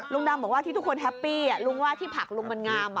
ดำบอกว่าที่ทุกคนแฮปปี้ลุงว่าที่ผักลุงมันงาม